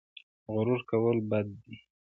غرور کول بد دي